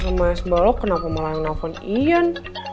kangennya sama smbalok kenapa malah yang nelfon ian